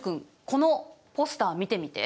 このポスター見てみて。